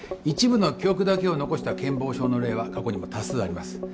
一部の記憶だけを残した健忘症の例は過去にも多数あります。